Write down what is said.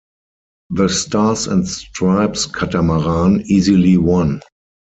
The Stars and Stripes catamaran easily won.